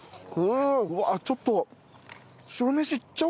うわちょっと。